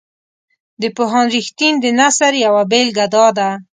د پوهاند رښتین د نثر یوه بیلګه داده.